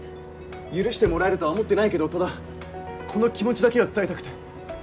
許してもらえるとは思ってないけどただこの気持ちだけは伝えたくて。